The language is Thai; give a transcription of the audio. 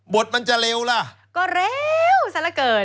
มันจะเร็วล่ะก็เร็วซะละเกิน